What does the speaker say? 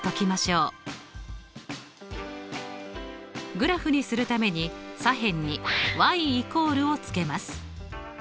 グラフにするために左辺に＝を付けます。